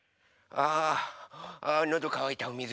あのどかわいたおみず